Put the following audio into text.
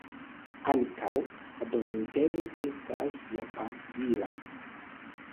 Ankaŭ la dominterno estas japanstila.